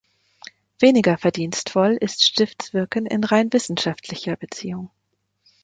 Weniger verdienstvoll ist Stifft’s Wirken in rein wissenschaftlicher Beziehung.